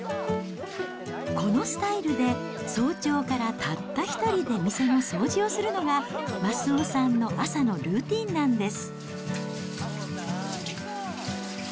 このスタイルで、早朝からたった１人で店の掃除をするのが、益男さんの朝のルーティーンなんです。